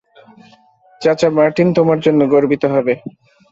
চাচা মার্টিন তোমার জন্য গর্বিত হবে।